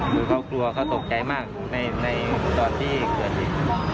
คือเขาตกใจมากในส่วนที่เกิด